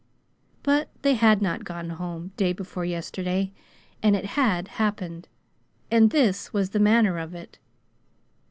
But they had not gone home "day before yesterday," and it had happened; and this was the manner of it.